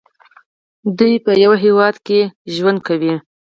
دوی په یو هیواد کې ژوند کوي.